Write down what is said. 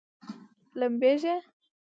لمبیږي؟